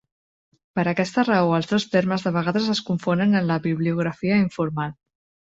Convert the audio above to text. Per aquesta raó els dos termes de vegades es confonen en la bibliografia informal.